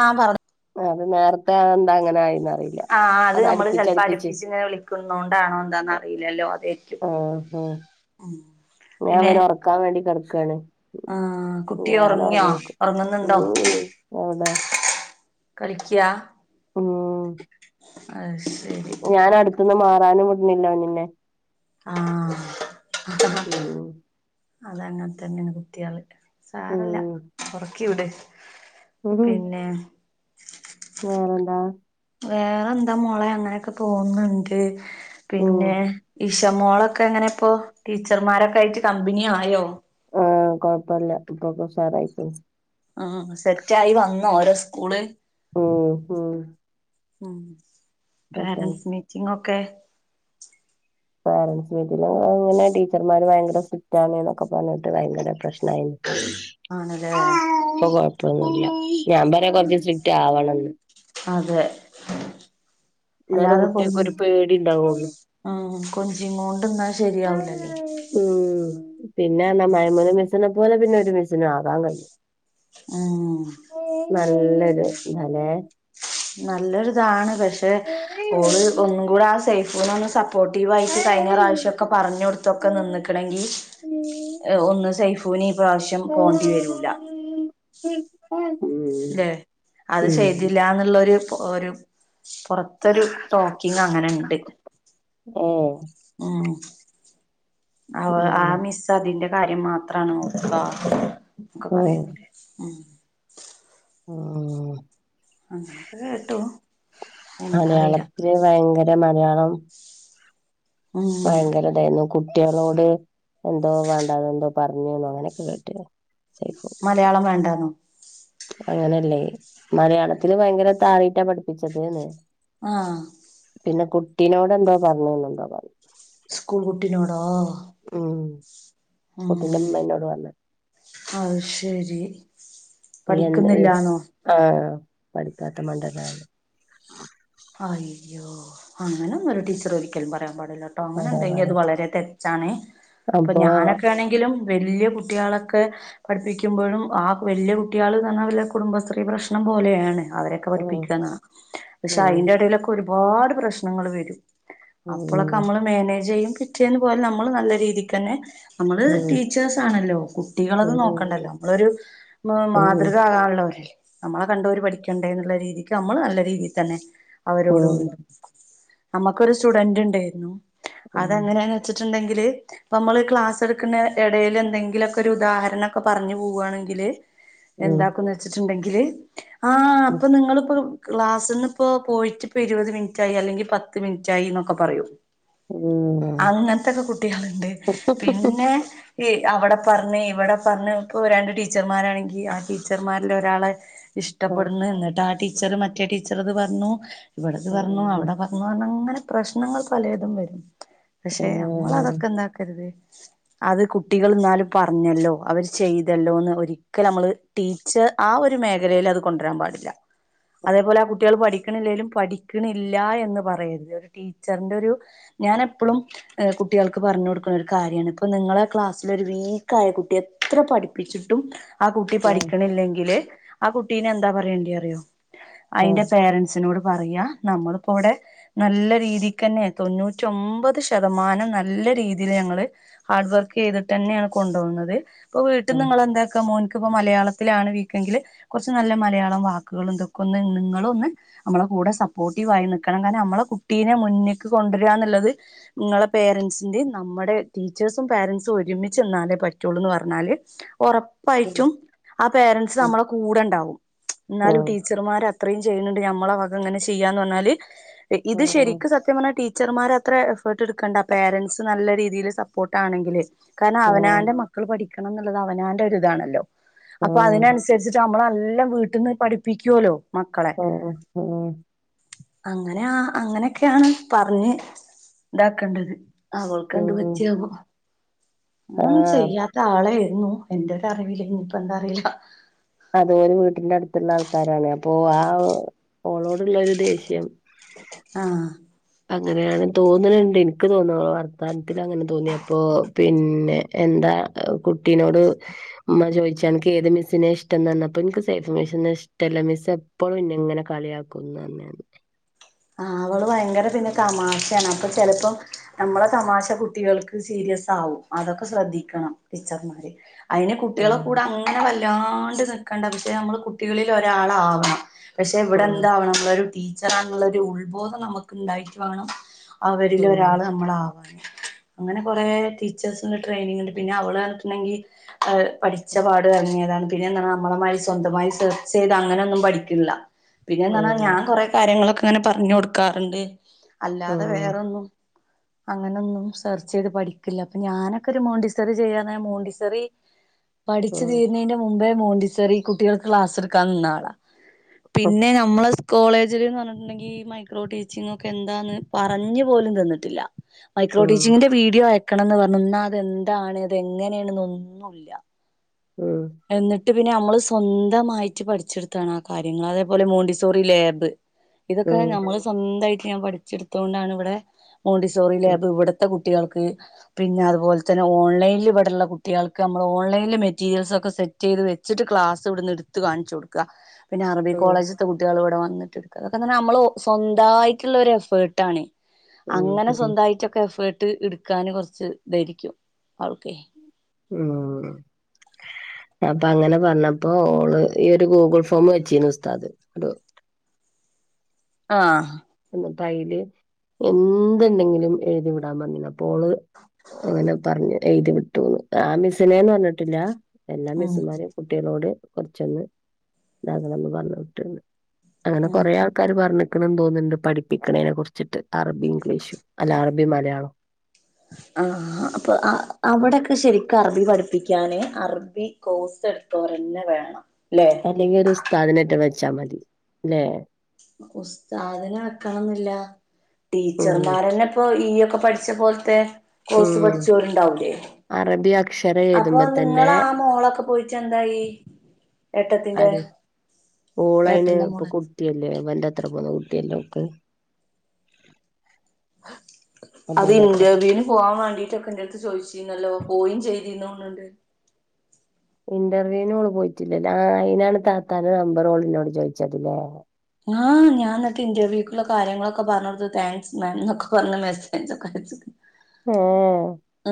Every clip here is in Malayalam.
ആഹ് പറഞ്ഞ- അത് നേരത്തെ എന്താ അങ്ങനെ ആയ്ന്ന്റി ആഹ് അത് നമ്മള് ചെപ്പോ അടുപ്പിച്ച് ഇങ്ങനെ വിളിക്കുന്നത കൊണ്ടാണോ എന്താന്ന് അറിയില്ലല്ലോ അതാരിക്കും ആഹ് ഉം പിന്നെ- കക്കാൻ വേണ്ടി കിടക്കയാണ് ആഹ് കുട്ടി ഞൻ ഒറങ്ങിയോ ഉറങ്ങീയേക്കും ഒറങ്ങുന്നുണ്ടോ ഉം- ഓടെ- കളിക്ക്യാ മ് ഹ്- ആഹ് ശെരി ഞാനടുത്തൊന്ന് മാറാനും വിടുന്നില്ലോന്നന്നെ ആഹ് ഉം അതങ്ങനെ തന്നെയാണ് കുത്തിയാള് സാരുല്ല ഉം ഒറക്കി വിട് ഉം പിന്നെ - വേറെന്താ വേറെ എന്താ മോളെ അങ്ങനെയൊക്കെ പോകുന്നുണ്ട് ഉം പിന്നെ ഇഷ മോളൊക്കെ എങ്ങനെ ഇപ്പോ ടീച്ചർമാരൊക്കെ ആയിട്ട് കമ്പനിയായോ?. ആഹ് കൊഴപ്പല്ല ഇപ്പൊക്ക ഉഷാറായിരിക്കുണു. ആഹ് സെറ്റായി വന്നോ ഓൾടെ സ്കൂള് മ്ഹ് മ്ഹ് ഉം പേരൻ്റസ് മീറ്റിംഗ് ഒക്കെ പാരന്റസ് മീറ്റിങ് അഹ് ങ്ങനെ ടീച്ചർമാര് ഭയങ്കര സ്ക്രിറ്റ്. [unintelligible] തൊക്കെ പറഞ്ഞിട്ട് ഭയങ്കര പ്രസശ്നയിനു ആണ് ല്ലേ. ഇപ്പൊന്നുല്ല ഞാൻ പറ കോറച്ച് സ്ട്രിക്റ്റ് ആവണംന്ന്. അതെ എന്നാലെ അല്ലാതെ പോയി കുട്ടികക്കൊരു പേടി ഉണ്ടാവുള്ളു ആ കൊഞ്ചി കൊണ്ട്ന്നാൽ ശരിയാവിലല്ലോ. ഉം പിന്നെ എന്നാ മഴമൂന മിസിനെ പോലെ പിന്നെ ഒരു മിസിനും ആകാൻ കയ്യും. ആഹ നല്ലൊരു തലെ നല്ലൊരിതാണ് പക്ഷെ ഓള് ഉം ഒന്നും കൂടെ ആ സേഫു ഒന്ന് സ പ്പോട്ടീവ് ആയിട്ട് കഴിഞ്ഞ ഏ പ്രാവശ്യൊക്കെ പറഞ്ഞ് കൊടുത്തൊക്കെ ഉം നിന്നക്കണെങ്കിൽ ഒന്ന് സേഫ് ഇവനി പ്രാവശ്യം പോവേണ്ടി വരൂല. [unintelligible] ല്ലെ അത് ചെയ്തില്ല എന്നുള്ളരു ഒരു പോ ഒരു പുറത്തൊരു ടോക്കിങ് അങ്ങനെ ഇണ്ട്. ഹെ ഉം അവ ആ മിസ് ക്ക അതിന്റെ കാര്യം മാത്രാണ് നോക ഉം പറയുണ്ടെ ഉ.. ആ ഹാ അങ്ങനെയൊക്കെ കേട്ടു എന്താ അറിയില ഇച്ച് ഭയങ്കര മലയാളം ഉം ഭയങ്കര ഇതായിരുന്നു കുട്ടികളോട് എന്തോ വേണ്ട എന്തോ പറഞ്ഞുന്നോ അങ്ങനെയൊക്കെ കേട്ടിനു സൈഫു മലയാളം വേണ്ടന്നെ അങ്ങനെയല്ലേ മലയാളത്തില് ഭയങ്കര താറിയിട്ടാ പഠിപ്പിച്ചത് ന്ന് ആഹ പിന്നെ കുട്ടിനോട് എന്തോ പറഞ്ഞു എന്താ പറഞ്ഞു. സ്കൂൾ കുട്ടി നോടോ?. മ് ആ അഹ് ശരി എന്ദ് എ പഠിക്കുന്നില്ലാന്നോ ആഹ പഠിപ്പാത്ത മണ്ഡല അയ്യോ അങ്ങനെ ഒരു ടീച്ചർ ഒരിക്കലും പറയാൻ പാടില്ലട്ടോ അങ്ങനെ ഉണ്ടെങ്കി അത് വളരെെ ത്തെ റ്റാണ് ഇപ്പൊ അപ്പൊ ഞാനൊക്കെ ആണെങ്കിലും വലിയ കുട്ടികളൊക്കെ പഠിപ്പിക്കുമ്പോഴും ആ വലിയ കുട്ടിള് പറഞ്ഞാൽ വല കുടുംബശത്രീ പ്രശ്നം പോലെയാണ് അവരെ ക്ക ഉം പഠിപ്പിക്കണോ?. ത്താ ഉം അയിന്റെ ഇടയിലൊക്കെ ഒരുപാട് പ്രശ്നങ്ങൾ വരും. ഉം അപ്പോഴൊക്കെ നമ്മള് മാനേജ് ചെയ്യും. കിട്ടിയതു പോലെ നമ്മള് നല്ല രീതിക്ക് തന്നെ നമ്മള് ഉം ഉം ടീച്ചേഴ്സ് ആണല്ലോ. കുട്ടികളത് ഉം നോക്കണ്ടല്ലോ. നമ്മളൊരു മ്മ ഉം ഉം മാതൃക ആകാനുള്ളരെല്ലേ നമ്മളെ കണ്ട്‌ ഓർ പഠിക്കണ്ടേ എന്നുള്ള രീതിക്ക് നമ്മള് നല്ല രീതിൽ തന്നെ അവരോട് ഉം നി നമ്മക്കൊരു സ്റ്റുഡന്റ് ഇണ്ട്‌ ഉം അതെങ്ങനെച്ചിട്ടുണ്ടെങ്കില് പ്പ നമ്മള് ക്ലാസ് എടുക്കുന്ന ഇടയിൽ എന്തെങ്കിലുമൊക്കെ ഒരു ഉദാഹരണൊക്കെ പറഞ്ഞു പോവുവാണെങ്കില് ഉം ഉം ഉം എന്താക്കന്ന് വെച്ചിട്ടുണ്ടെങ്കില് ആഹ് അപ്പൊ നിങ്ങളിപ്പോ ക്ലാസ്സിന്ന് പ്പ പോയിട്ട് ഇപ്പോ ഇരുപത് മിനിറ്റായി അല്ലെങ്കിൽ പത്ത് മിനിറ്റായി എന്നൊക്കെ പറയും അങ്ങനത്തെക്കെ കുട്ടികളുണ്ട് പിന്നെ ഈ അവിടെ പറഞ്ഞ് ഇവിടെ പറഞ്ഞ് ഇപ്പോൾ രണ്ട് ടീച്ചർമാരാണെങ്കിൽ ആഹ് ടീച്ചർമാരിൽ ഒരാള്. ഇഷ്ടപ്പെടുന്നു എന്നിട്ട് ആ ടീച്ചർ മറ്റേ ടീച്ചർത് പറഞ്ഞു ഇവിടത് പറഞ്ഞു ഉം അവിടെ പ ന്ന് പറഞ്ഞ അങ്ങനെ പ്രശ്നങ്ങൾ പലതും വരും പക്ഷെ നമ്മൾ ഉം അതൊക്കെ എന്താക്കരുത് അത് കുട്ടികൾ എന്നാലും പറഞ്ഞല്ലോ അവര് ചെയ്തല്ലോന്ന് ഒരിക്കൽ നമ്മള് ടീച്ചർ ആഹ് ഒരു മേഖലയിൽ അത് കൊണ്ടുവരാൻ പാടില്ല അതേപോലെ ആ കുട്ടികൾ പഠി പഠിക്കണില്ലെലും പഠിക്കണില്ല എന്ന് പറയരുത് ഒരു ടീച്ചറിന്റെ ഒരു ഞാൻ എപ്പോളും കുട്ടികൾക്ക് പറഞ്ഞു കൊടുക്കുന്ന ഒരു കാര്യമാണ് ഇപ്പൊ നിങ്ങളെ ക്ലാസിൽ ഒരു വീക്ക് ആയ കുട്ടിയെ എത്ര പഠിപ്പിച്ചിട്ടും ആ കുട്ടി ഉം പഠിക്കണില്ലെങ്കില് ആ കുട്ടീന എന്താ പറയേണ്ടി അറിയോ ആ അതിന്റെ പേരൻ സിനോട് പറയാ നമ്മളിപ്പോ ഇവിടെ നല്ല രീതിക്ക് തന്നെ തൊണ്ണൂറ്റോമ്പത് ശതമാനം നല്ല രീതിൽ ഞങ്ങള് ഹാർഡ് വർക്ക് ചെയ്തിട്ട് തന്നെയാണ് കൊണ്ടുപോകുന്നത് ഇപ്പൊ വീട്ടിൽ നിങ്ങൾ എന്താക്ക മോൻക്ക് ഇപ്പോ മലയാളത്തിലാണ് വീക്കെങ്കിൽ കുറച്ച് നല്ല മലയാളം വാക്കുകൾ ഇതൊക്കെ ഒന്ന് നിങ്ങളും ഒന്ന് നമ്മളെ കൂടെ സപ്പോർട്ടീവായി നിൽക്കണം കാരണം നമ്മളെ കുട്ടീനെ മുന്നേക്ക് കൊണ്ടുവരിക എന്നുള്ളത് നിങ്ങളെ പേരൻസിന്റെ നമ്മുടെ ടീച്ചേഴ്സും പേരൻറ്സും ഒരുമിച്ച് നിന്നാലേ പറ്റുള്ളൂന്ന് പറഞ്ഞാല് ഉറപ്പ പ്പായിട്ടും ആ പേരന്റ്സ് നമ്മളെ കൂടെ ഉണ്ടാവും എന്നാലും ടീച്ചർമാർ അത്രയും ചെയ്യുന്നുണ്ട് ഞ നമ്മള വക ഇങ്ങനെ ചെയ്യാന്ന് പറഞ്ഞാല് ഇത് ശരിക്കും സത്യം പറഞ്ഞാല് ടീ ടീച്ചർമാർ അത്ര എഫേർട്ട് എടുക്കേണ്ട പേരൻറ്സ് നല്ല രീതിയിൽ സപ്പോർട്ട് ആണെങ്കില് കാരണം അവനാന്റെ മ മൾ പഠിക്കണം എന്നുള്ളത് അവനാന്റെ ഒരിതാണല്ലോ അപ്പൊ അതിനനുസരിച്ചിട്ട നമ്മളെല്ലാം വീട്ടിൽ നി പഠിപ്പിക്കുല്ലോ മക്കളെ ഓഹ് ഓഹ് അങ്ങനെ ആഹ് അങ്ങനെയൊക്കെയാണ് പറഞ്ഞ് ഇതാക്കണ്ടത് അവൾക്കെന്ത് പറ്റിയാവോ? അങ്ങനൊന്നും ചെയ്യാത്ത ആളായിരുന്നു എന്റെ ഒരു അറിവില് ഇനിയിപ്പ എന്താ അറിയില്ല. അതെ ഒരു വീട്ടിന്റെ അടുത്തുള്ള ആൾക്കാരാണ് അപ്പൊ ആ ഓളോടുള്ള ഒരു ദേഷ്യം ആഹ്. അങ്ങനെയാണ് തോന്നുന്നുണ്ട് എനിക്ക് തോന്ന വർത്താനത്തി അങ്ങനെ തോന്നി അപ്പൊ പിന്നെ എന്താ കുട്ടിനോട് ഉമ്മ ചോദിച്ചു അനക്ക് ഏത് മിസ്സിനെ ഇഷ്ടം തന്നപ്പോ എനിക്ക് സേഫ് മിസ്സിനെ ഇഷ്ടല്ല മിസ്സ് എ പ്പഴും ഇന്ന ഇങ്ങനെ കളിയാക്കുന്ന് പറഞ്ഞാന്ന് അവള് ഭയങ്കര പിന്നെ തമാശയാണ് അപ്പൊ ചിലപ്പോം നമ്മള തമാശ കുട്ടികൾക്ക് സീരിയസ് ആകും അതൊക്കെ ശ്രദ്ധിക്കണം ടീച്ചർമാര് അതിന് ആ കുട്ടികളെ കൂടെ അങ്ങനെ വല്ലാണ്ട് നിക്കണ്ട പക്ഷേ നമ്മള് കുട്ടികളിൽ ഒരാളാവണം. പക്ഷെ ആ ഇവിടെ എന്താവണം നമ്മളൊരു ടീച്ചറാണുന്നുള്ളോരു ഉൾബോധം നമുക്ക് ഉണ്ടായിട്ട് വേണം ആ അവരിൽ ഒരാൾ നമ്മളാ അങ്ങനെ കൊറെ ടീച്ചേഴസ്ൻ്റെ ട്രെയിനിങ്ണ്ട് പിന്നെ അവള് പറഞ്ഞിട്ടുണ്ടെങ്കിൽ പഠിച്ച പാട് ഇറങ്ങിയതാണ് പിന്നെ എന്താണ് നമ്മളെ മാരി സ്വന്തമായി സെർച്ച് ചെയ്ത് അങ്ങനെയൊന്നും പഠിക്കിൺലാ പിന്നെന്താണ് ഞാൻ കൊറെ കാര്യങ്ങളൊക്കെ ഇങ്ങനെ പറഞ്ഞു കൊടുക്കാറുണ്ട് ആ ആ അല്ലാതെ വേറൊന്നും അങ്ങനെയൊന്നും സെർച്ച് ചെയ്ത് പഠിക്കില്ല അപ്പൊ ഞാനൊക്കെ ഒരു മോണ്ടിസെറി ചെയ്യാന മോണ്ടിസെറിയ പഠിച്ചു തീരുന്നതിന്റെ മുമ്പേ മോണ്ടിസറി കുട്ടികൾക്ക് ക്ലാസ് എടുക്കാൻ നിന്നാളാ. ആ പിന്നെ നമ്മളെ കോളേജിൽന്ന് പറഞ്ഞിട്ടുണ്ടെങ്കിൽ ഈ മൈക്രോ ടീച്ചിങ്ങൊക്കെ എന്താന്ന് പറഞ്ഞു പോലും തന്നിട്ടില്ല മൈക്രോ ആ ടീച്ചിങ്ങിന്റെ വീഡിയോ ആയക്കണംന്ന് പർഞ്ഞു എന്നാതെന്താണ് അത് എങ്ങനേണൊന്നുല്ല ഉം എന്നിട്ട് പിന്നെ നമ്മള് സ്വന്തമായിട്ട് പഠിച്ചെടുത്താണ് ആ കാര്യങ്ങൾ അതേപോലെ മോണ്ടിസോറി ലാബ് ഇതൊക്കെ ഉം, ഞമ്മൾ സ്വന്തായിട്ട് ഞാൻ പഠിച്ചെടുത്തൊണ്ടാണ് ഇവിടെ മോണ്ടിസോറി ഉം, ലാബ് ഇവിടത്തെ കു ട്ടികൾക്ക് പിന്നെ അതുപോലെ തന്നെ ഓലൈനിൽ ഇവടള്ള കുട്ടികൾക്ക് നമ്മൾ ഓൺലൈൻൽ മെറ്റീരിയൽ സൊക്കെ സെറ്റ് ചെയ്ത് വെച്ചിട്ട് ക്ലാസ് ഇവിടുന്ന് ഇടുത്ത് കാണച്ചൊടുക്കുക പിന്നെ അറബി ഉം, കോളേജ് ത്തെ കുട്ടികൾ ഇവിടെ വന്നിട്ട്ടുക്ക അതൊക്കെന്ന നമ്മള് സ്വന്തായിട്ടുള്ളൊരു എഫേർട്ടാണ് അങ്ങനെ ഉം, ഉം, സ്വന്തായ്ട്ടൊക്കെ എഫേർട്ട് ഇടുക്കാന് കൊറച്ച് തായ്രിക്കും അവൾക്കെ ഉം അപ്പൊ അങ്ങനെ പറഞ്ഞപ്പോ ഓള് ഈ ഒരു ഗൂഗിൾ ഫോം വെച്ചീന് ഉസ്താത് ഒരു ആഹ് എന്നി. ട്ടൈല് എന്ത്ണ്ടെങ്കിലും എഴുതി വിടാൻ പർഞ്ഞീനു അപ്പോ ഓള് അങ്ങനെ പറഞ്ഞ് എഴുതി വിട്ടുന്ന് ആ മിസിനേന്ന് പറഞ്ഞിട്ടില്ല എല്ലാ ഉം മിസ്സുമാരും കുട്ടികളോട് കൊറച്ചൊന്ന് ഇതാക്കണന്ന് പറഞ്ഞു വിട്ടിണ്ട് അങ്ങനെ ഉം കൊറേ ആൾക്കാര് പറഞ്ഞിക്കണ്ന്ന് തോന്നുണ്ട് പഠിപ്പിക്കണേനെ കുറിച്ചിട്ട് അറബിം ഇംഗ്ലീഷും അല്ല അറബിം മലയാളം ആഹ് ആ ആ അപ്പൊ അ അവിടൊക്കെ ശരിക്കും അറബി പഠിപ്പിക്കാന് അറബി കോഴ്സെടുത്തോലന്നെ വേണം ല്ലെ അല്ലെങ്കി ഒരു ഉസ്താദിനേറ്റ വെച്ചാ മതി ല്ലെ? ഉസ്താദിനെ വെക്കണംന്നില്ല ഉം ടീച്ചർമാരന്നെ ഇപ്പൊ ഈയൊക്കെ പഠിച്ച പോലത്തെ കോഴ്സ് ഉം പഠിച്ചോരുണ്ടാവൂലേ? അറബി അക്ഷരം അപ്പൊ എഴുതുമ്പോ തന്നെ നിങ്ങളാ മോളൊക്കെ പോയിട്ടെന്തായി? ഏട്ടത്തിന്റെ ഓളൈന് ഏട്ടന്റെ ഇപ്പൊ മോള് കുട്ട്യല്ലേ ഇവന്റെത്ര പോന്ന കുട്ട്യല്ലേ ഓക്ക് അത് മധുവിന്റെ എത്ര ഇൻ്റർവ്യൂന് പോവാൻ വേണ്ടിട്ടൊക്കെ എൻ്റടുത്ത് ചോയ്ച്ചീനല്ലോ പോയും ചെയ്തീനോന്ന്ണ്ട് ഇന്റർവ്യൂനോള് പോയിട്ടില്ല ഞാ അയിനാണ് താത്താന്റെ നമ്പറ് ഓളിനോട് ചോയിച്ചത് ല്ലേ ആഹ് ഞാന്നട്ട് ഇന്റർവ്യൂക്കുള്ള കാര്യങ്ങളൊക്കെ പറഞ്ഞൊട്ത്ത് താങ്ക്സ് മാം ന്നൊക്കെ പറഞ്ഞ മെസ്സേജൊക്കെ അയ്ച്ച്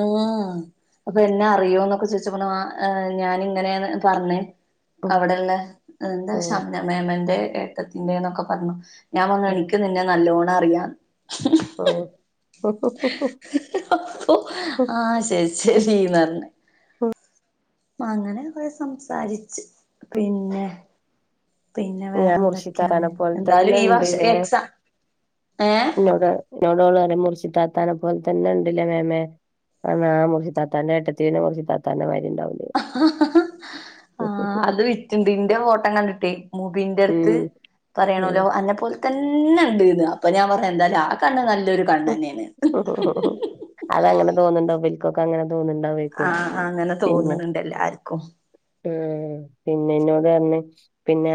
ആഹ് അപ്പൊ എന്നെ അറിയോന്നൊക്കെ ചോയ്ച്ചപ്പർഞ്ഞ് ഞാനിങ്ങനേന്ന് പറഞ്ഞേ ഉം അവിടെള്ള എന്താ ഉം ശംന മേമന്റെ ഏട്ടത്തിൻ്റെന്നൊക്കെ പറഞ്ഞു ഞാൻ പർഞ്ഞു ഉം എനിക്ക് നിന്നെ നല്ലോണം അറിയാന്ന് ഓ ഓ ആഹ് ശരി ശരിന്നർഞ്ഞെ ഉം അങ്ങനെ കൊറെ സംസാരിച്ച് പിന്നെ പിന്നെ ഞാൻ മുറിശി വേറെന്തൊക്കെയാണ് താത്തന പോലെ എന്തായാലും ഈ വർഷം തന്നെണ്ട്ല്ലേ? എക്സാം ഏഹ് ഇന്നോട് എന്നോടോളറിയ മുർശി താത്താനെ പോലെ തന്നെണ്ട് ല്ലേ മേമേ? ആഹ് മുർശിതാത്താന്റെ ഏട്ടത്തി മുർശിത്താത്താന്റെമായ്രിണ്ടാവൂലെ? ആഹ് അത് വിറ്റുണ്ട് ഇന്റെ ഫോട്ടം കണ്ടിട്ടേ മുബീന്റെടുത്ത് ഉം പറയേണല്ലോ അന്നെ പോലെ തന്നെണ്ട്ന്ന് അപ്പൊ ഞാൻ പറയാ എന്തായാലും ആ കണ്ണ് നല്ലൊരു കണ്ണെന്നെണ് ഉം അതങ്ങനെ തോന്നുന്നുണ്ടാവും ഇവൽക്കൊക്കെ അങ്ങെനെ തോന്നുന്നുണ്ടാവേ ആഹ് അങ്ങനെ തോന്നുണ് ണ്ടെല്ലാർക്കും ഉം പിന്നെന്നോടർഞ്ഞ് പിന്നെ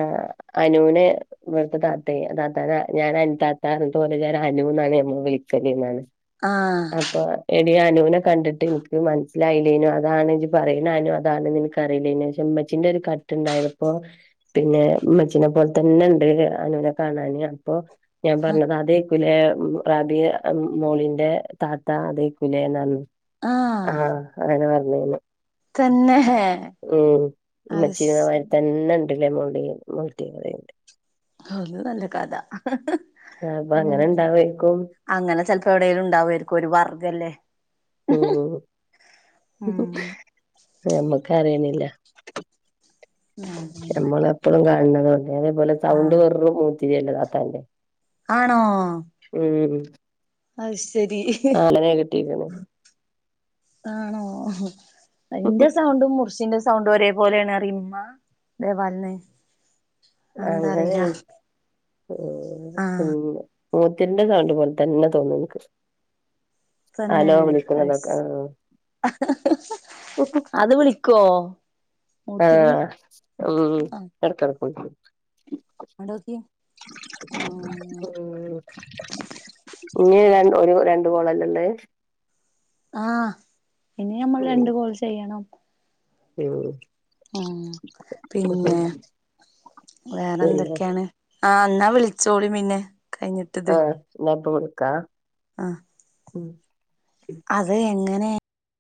അനൂനെ ഇവടുത്തെ താത്തേ താത്താന ഞാൻ അനുതാത്താ തോല നേരം അനൂന്നാണ് ഞമ്മള് വിളി ശര്യന്നെന്ന് ആഹ് അപ്പൊ എടീ അനൂനെ കണ്ടിട്ട് എനിക്ക് മനസ്സിലായില്ലേനോ അതാണ് ഇജ്ജ് പറയണ അനു അതാണ് എനക്ക്റിയില്ലേനോ ൻ്റെ ഉമ്മച്ചിൻ്റെ ഒരു കട്ടുണ്ടായത്പ്പോ പിന്നെ ഉമ്മച്ചീനെ പോലെ തന്നെ ഉണ്ട് അനൂനെ കാണാന് അപ്പൊ ഞാൻ ആഹ് പറഞ്ഞത് അതേക്കുലെ റാബി മോളിന്റെ താത്ത അതേക്കുലേ എന്നു ആഹ് അങ്ങനെ പറഞ്ഞേന്ന് തന്നെ ഉം അയ്ശ് ഉമ്മച്ചീനമാരി തന്നെ ഉണ്ടല്ലേ മുടിയും ആ അത് നല്ല കഥ ആ അപ്പൊ ഉം അങ്ങനെ ഇണ്ടാവേക്കും അങ്ങനെ ചിലപ്പോ എവിടേലും ഉണ്ടാവുമായിരിക്കും ഒരു വർഗ്ഗല്ലേ? ഉം ഉം ഞമ്മക്ക് അറിയണില്ല ഉം നമ്മള് എപ്പൊളും കാണ് ണതോണ്ട് അതേപോലെ സൗണ്ട് ആഹ് വെറും മൂത്തിരിയല്ല താത്താന്റെ. ആണോ. മ് മ് മ് അയ്ശരി [unintelligible] ആണോ എന്റെ സൗണ്ടും മുറിശീന്റെ സൗണ്ട് ഒരേ പോലേണ് അറിം ഇമ്മ [unintelligible] എന്താ അറീല. മ് മ് മൂത്തിന്റെ സൗണ്ട് പോലെ തന്നെ തോന്നും ഇൻക്ക്. തന്നെ ഹലോ അഹ്സ് വിളിക്കുന്നതൊക്കെ അത് വിളിക്കോ? മൂത്തിരി ആഹ് ഉം എട്കട്ക്ക് വിളിക്കും. ആടോക്കി ആഹ്. ഇഞ്ഞ് ഒരു രണ്ട് ഗോളല്ലേ ഇള്ളേ. ആഹ് ഇനി അമ്മൾ രണ്ടു കോൾ ചെയ്യണം. മ്. ആഹ് പിന്നെ വേറെ പിന്നെ എന്തൊക്കേണ്? ആഹ് എന്നാ വിളിച്ചോളി പിന്നെ. കഴിഞ്ഞിട്ടത് ആഹ് എന്നാപ്പൊ വിൾക്കാ. ആഹ്. ഉം. അത് എങ്ങനെ?